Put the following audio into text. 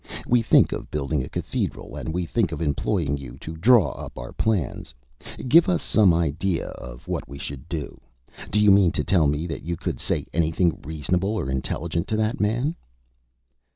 We think of building a cathedral, and we think of employing you to draw up our plans. Give us some idea of what we should do.' Do you mean to tell me that you could say anything reasonable or intelligent to that man?"